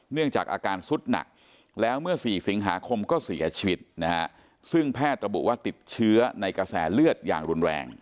เนื่องจากอาการสุดหนักแล้วเมื่อ๔สิงหาคมก็เสียชีวิตนะฮะซึ่งแพทย์ระบุว่าติดเชื้อในกระแสเลือดอย่างรุนแรง